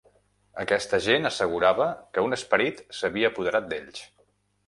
Aquesta gent assegurava que un esperit s'havia apoderat d'ells.